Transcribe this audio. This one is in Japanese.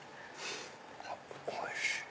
おいしい！